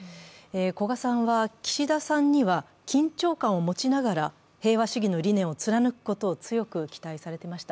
古賀さんは岸田さんには緊張感を持ちながら平和主義の理念を貫くことを強く期待されていました。